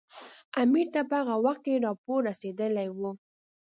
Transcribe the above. امیر ته په هغه وخت کې راپور رسېدلی وو.